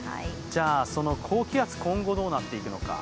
その高気圧、今後どうなっていくのか。